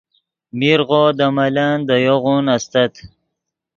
میرغو دے ملن دے یوغون استت